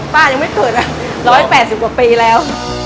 ป้ายังไม่เกิดนะ๑๘๐กว่าปีแล้ว